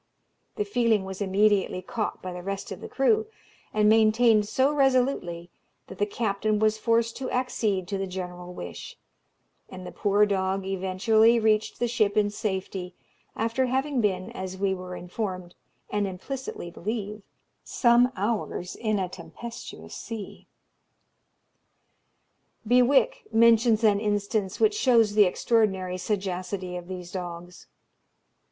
The feeling was immediately caught by the rest of the crew, and maintained so resolutely, that the captain was forced to accede to the general wish; and the poor dog eventually reached the ship in safety, after having been, as we were informed, and implicitly believe, some hours in a tempestuous sea. Bewick mentions an instance which shows the extraordinary sagacity of these dogs.